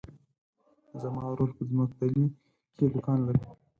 زما ورور په ځمکتلي کې دوکان لری.